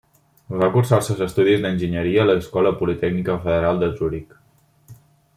Va cursar els seus estudis d'enginyeria a l'Escola Politècnica Federal de Zuric.